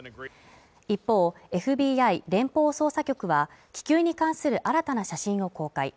一方ＦＢＩ＝連邦捜査局は気球に関する新たな写真を公開